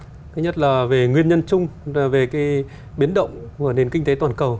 thứ nhất là về nguyên nhân chung về biến động của nền kinh tế toàn cầu